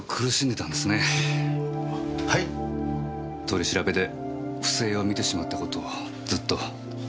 取り調べで不正を見てしまった事をずっと。